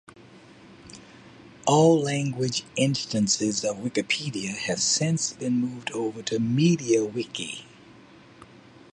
All language instances of Wikipedia have since been moved over to MediaWiki.